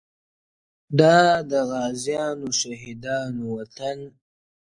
دا د غازیانو شهیدانو وطن!!